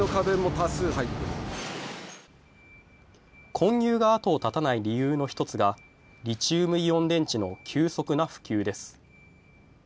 混入が後を絶たない理由の１つが、リチウムイオン電池の急速な普及です。